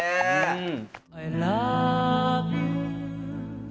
うん。